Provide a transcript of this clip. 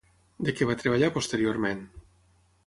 De què va treballar posteriorment?